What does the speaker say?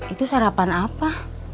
itu sarapan apa